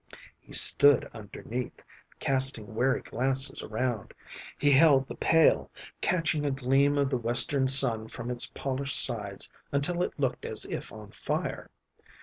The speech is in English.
He stood underneath, casting wary glances around; he held the pail, catching a gleam of the western sun from its polished sides until it looked as if on fire.